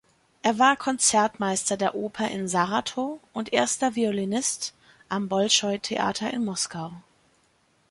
Er war Konzertmeister der Oper in Saratow und erster Violinist am Bolschoi-Theater in Moskau.